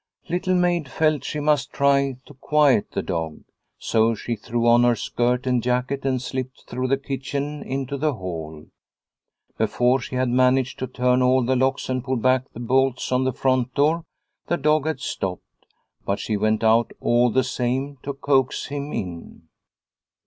Little Maid felt she must try to quiet the dog. So she threw on her skirt and jacket and slipped through the kitchen into the hall. Before she had managed to turn all the locks and pull back the bolts on the front door the dog had stopped, but she went out all the same to coax huii in.